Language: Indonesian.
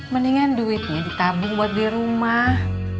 mendingan duitnya ditabung buat di rumah